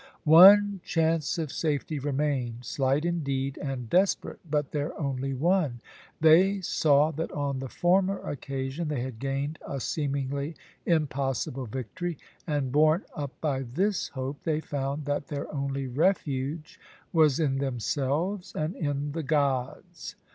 One chance of safety remained, slight indeed and desperate, but their only one. They saw that on the former occasion they had gained a seemingly impossible victory, and borne up by this hope, they found that their only refuge was in themselves and in the Gods.